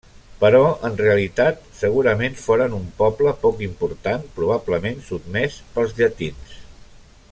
Però en realitat segurament foren un poble poc important probablement sotmès pels llatins.